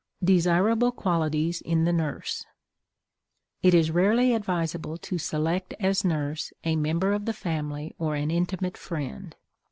DESIRABLE QUALITIES IN THE NURSE. It is rarely advisable to select as nurse a member of the family or an intimate friend.